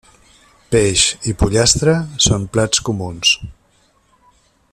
Peix i pollastre són plats comuns.